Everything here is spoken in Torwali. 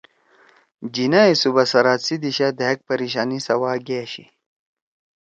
جناح ئے صوبہ سرحد سی دِشا دھأگ پریشانی سوا گأشی